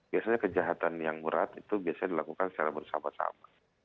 biasanya kejahatan yang berat itu biasanya dilakukan secara bersama sama